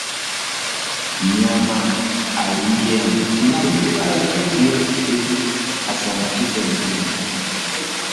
Mnyama aliyeambukizwa adhibitiwe ili asiambukize wengine